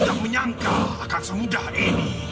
kau akan semudah ini